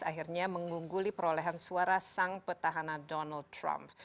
akhirnya mengungguli perolehan suara sang petahana donald trump